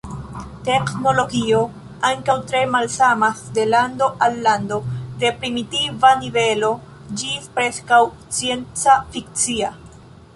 Teknologioj ankaŭ tre malsamas de lando al lando, de primitiva nivelo ĝis preskaŭ scienc-fikcia.